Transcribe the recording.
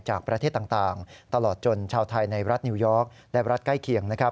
จากประเทศต่างตลอดจนชาวไทยในรัฐนิวยอร์กและรัฐใกล้เคียง